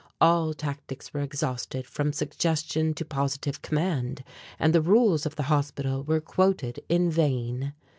All tactics were exhausted from suggestion to positive command, and the rules of the hospital were quoted in vain.